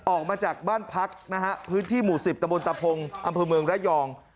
ออกมาจากบ้านพักนะฮะพื้นที่หมู่๑๐ตะบนตะพงอำเภอเมืองระยอง